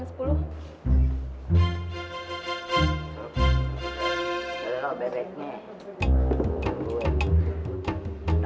nih loh bebeknya